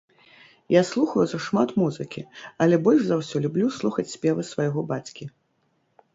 Я слухаю зашмат музыкі, але больш за ўсё люблю слухаць спевы свайго бацькі.